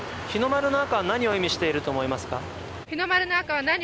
日の丸の赤は何を意味してると思いますか？